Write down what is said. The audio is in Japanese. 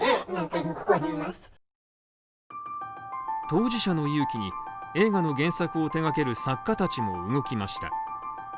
当事者の勇気に映画の原作を手がける作家たちも動きました。